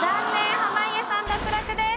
濱家さん脱落です。